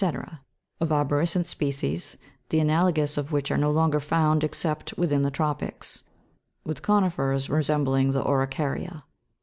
of arborescent species, the analogues of which nre no longer found except within the tropics, with com , fers resembling the araucaria.